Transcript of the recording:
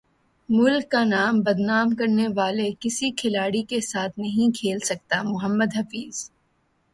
ملک کا نام بدنام کرنے والے کسی کھلاڑی کے ساتھ نہیں کھیل سکتا محمد حفیظ